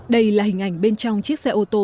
đây là hình ảnh bên trong chiếc xe ô tô